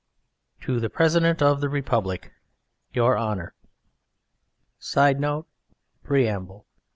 TO THE PRESIDENT OF THE REPUBLIC. YOUR HONOUR, [Sidenote: Preamble.